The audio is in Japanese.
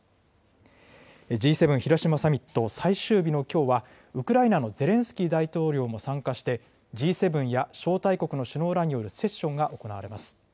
Ｇ７広島サミット最終日のきょうはウクライナのゼレンスキー大統領も参加してＧ７や招待国の首脳らによるセッションが行われます。